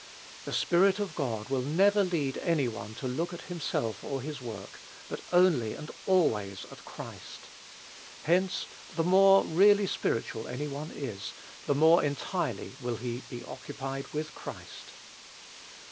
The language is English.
The Spirit of God will never lead any one to look at himself or his work; but only and always at Christ. Hence, the more really spiritual any one is, the more entirely will he be occupied with Christ.